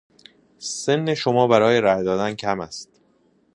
سن شما برای رای دادن کم است.